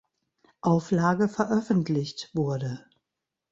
Auflage veröffentlicht wurde.